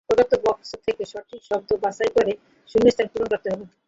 প্রদত্ত বক্স থেকে সঠিক শব্দ বাছাই করে শূন্যস্থান পূরণ করতে হবে।